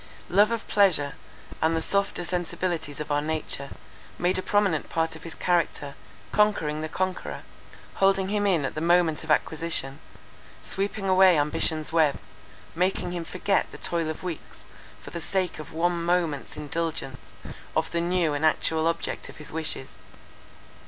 Love of pleasure, and the softer sensibilities of our nature, made a prominent part of his character, conquering the conqueror; holding him in at the moment of acquisition; sweeping away ambition's web; making him forget the toil of weeks, for the sake of one moment's indulgence of the new and actual object of his wishes.